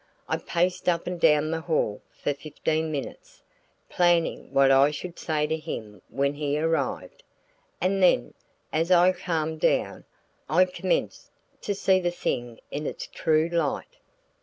I paced up and down the hall for fifteen minutes, planning what I should say to him when he arrived; and then, as I calmed down, I commenced to see the thing in its true light.